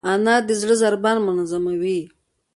انار د زړه ضربان منظموي.